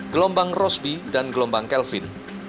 gelombang rosbi dan gelombang kelvin